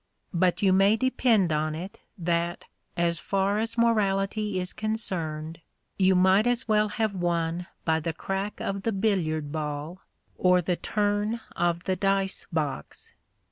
But you may depend on it that, as far as morality is concerned, you might as well have won by the crack of the billiard ball or the turn of the dice box.